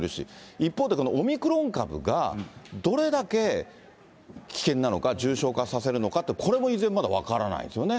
一方でオミクロン株がどれだけ危険なのか、重症化させるのかって、これも依然まだ分からないですよね。